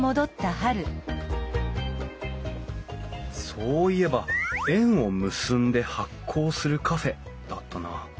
そういえば「縁を結んで発酵するカフェ」だったな。